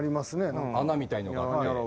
穴みたいのがあって。